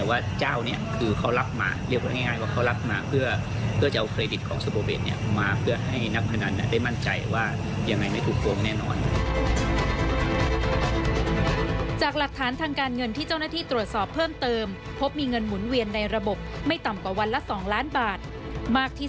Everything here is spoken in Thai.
มากที่สุดที่ตรวจสอบพบคือวันที่๑๒มกราคมที่ผ่านมามีเงินหมุนเวียนในระบบมากกว่า๓ล้านบาท